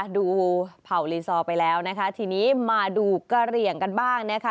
ดูเผ่าลีซอร์ไปแล้วนะคะทีนี้มาดูกะเหลี่ยงกันบ้างนะคะ